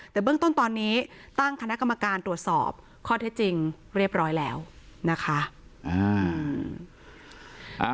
แต่เบื้องต้นตอนนี้ตั้งคณะกรรมการตรวจสอบข้อเท็จจริงเรียบร้อยแล้วนะคะ